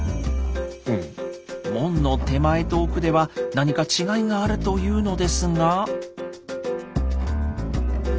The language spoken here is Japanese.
門の手前と奥では何か違いがあるというのですが。